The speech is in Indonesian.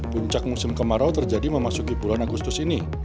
puncak musim kemarau terjadi memasuki bulan agustus ini